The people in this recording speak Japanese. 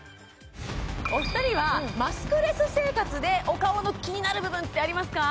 お二人はマスクレス生活でお顔の気になる部分ってありますか？